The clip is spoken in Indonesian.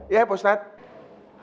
iya pak ustadz